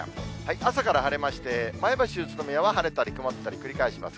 朝から晴れまして、前橋、宇都宮は晴れたり曇ったり繰り返します。